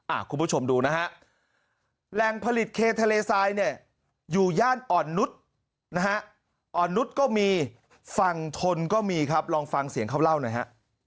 คุณผู้ชมดูนะฮะแหล่งผลิตเคทะเลทรายเนี่ยอยู่ย่านอ่อนนุษย์นะฮะอ่อนนุษย์ก็มีฝั่งทนก็มีครับลองฟังเสียงเขาเล่าหน่อยฮะ